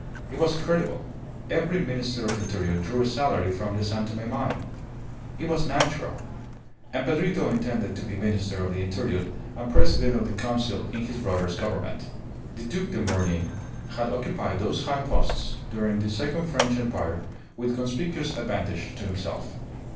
It was credible. Every Minister of Interior drew a salary from the San Tome mine. It was natural. And Pedrito intended to be Minister of the Interior and President of the Council in his brother's Government. The Duc de Morny had occupied those high posts during the Second French Empire with conspicuous advantage to himself.